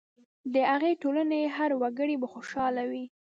د هغې ټولنې هر وګړی به خوشاله وي.